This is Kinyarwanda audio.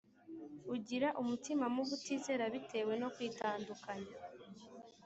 ugira umutima mubi utizera bitewe no kwitandukanya